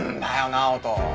直人。